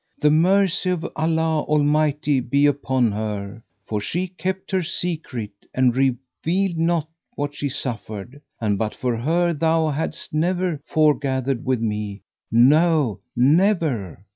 The mercy of Allah Almighty be upon her, for she kept her secret and revealed not what she suffered, and but for her thou hadst never foregathered with me; no, never!